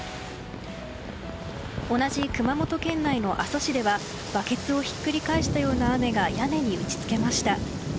同じ熊本県内の阿蘇市ではバケツをひっくり返したような雨が、屋根に打ちつけました。